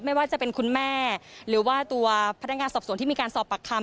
ไม่ว่าจะเป็นคุณแม่หรือว่าตัวพนักงานสอบสวนที่มีการสอบปากคำ